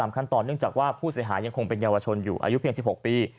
มันยังบอกกะทุนทางบ้านดีว่า